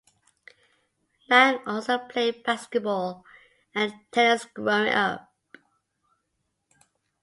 Niang also played basketball and tennis growing up.